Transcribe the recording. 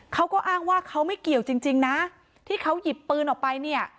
เขาก็อ้างว่าเขาไม่เกี่ยวจริงนะที่เขาหยิบปืนออกไปเนี่ย